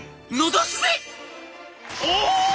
「お！」。